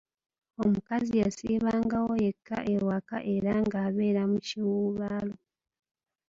Omukazi yasiibangawo yekka ewaka era nga abeera mu kiwuubaalo.